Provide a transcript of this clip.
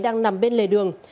đang nằm bên lề đường